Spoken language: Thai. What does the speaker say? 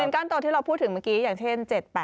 ก้านโตที่เราพูดถึงเมื่อกี้อย่างเช่น๗๘